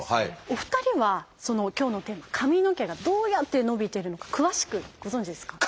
お二人は今日のテーマ「髪の毛」がどうやって伸びてるのか詳しくご存じですか？